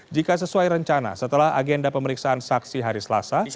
jika sesuai rencana setelah agenda pemeriksaan saksi hari selasa